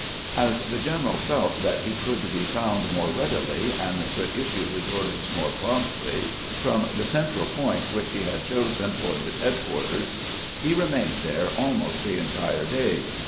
As the general felt that he could be found more readily, and could issue his orders more promptly, from the central point which he had chosen for his head quarters, he remained there almost the entire day.